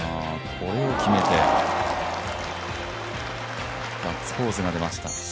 これを決めて、ガッツポーズが出ました。